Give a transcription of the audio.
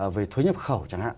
về thuế nhập khẩu chẳng hạn